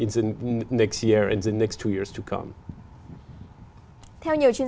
chính kinh tế số sẽ là nền tảng